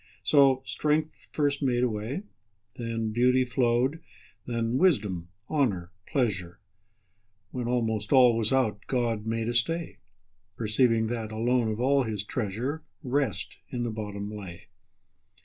So strength first made a way, Then beauty flow'd, then wisdom, honour, pleasure; When almost all was out, God made a stay, Perceiving that, alone of all His treasure, Rest in the bottom lay.